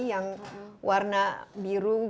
yang warna biru